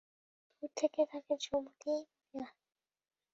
দূর থেকে তাকে যুবতীই মনে হয়।